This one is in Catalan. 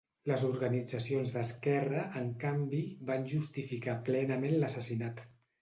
Les organitzacions d'esquerra, en canvi, van justificar plenament l'assassinat.